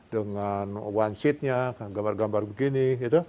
dengan gambarnya dengan one sheet nya gambar gambar begini